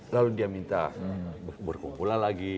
lalu dia minta berkumpulan lagi